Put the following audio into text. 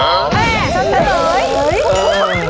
เฮ้ยฉันเลย